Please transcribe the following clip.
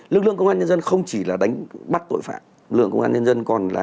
lực lượng công an nhân dân không chỉ là đánh bắt tội phạm lực lượng công an nhân dân còn là